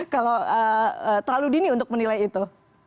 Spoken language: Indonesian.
kalau terlalu dini untuk menilai itu